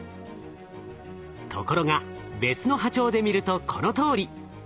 ところが別の波長で見るとこのとおり。